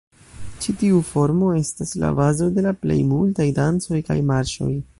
Ĉi tiu formo estas la bazo de la plej multaj dancoj kaj marŝoj.